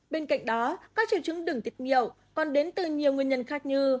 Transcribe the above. bên cạnh đó các triệu chứng đường tiết niệu còn đến từ nhiều nguyên nhân khác như